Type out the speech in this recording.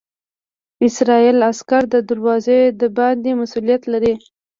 اسرائیلي عسکر د دروازې د باندې مسوولیت لري.